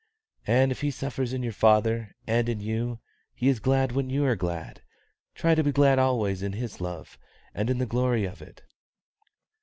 Ann, if He suffers in your father and in you, He is glad when you are glad. Try to be glad always in His love and in the glory of it."